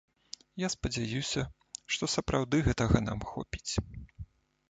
Я спадзяюся, што сапраўды гэтага нам хопіць.